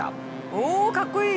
おおかっこいい！